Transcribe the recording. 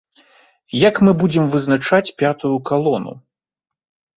Як мы будзем вызначаць пятую калону?